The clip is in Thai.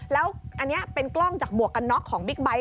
แล้วอันนี้เป็นกล้องจากหมวกกันน็อกของบิ๊กไบท์